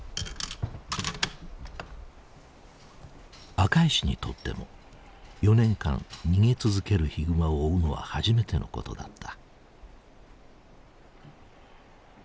赤石にとっても４年間逃げ続けるヒグマを追うのは初めてのことだった。